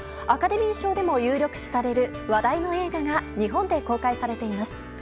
アカデミー賞でも有力視される話題の映画が日本で公開されています。